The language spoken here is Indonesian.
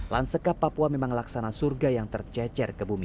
lansekap papua memang laksana surga yang tercecer ke bumi